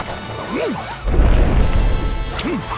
えっ！？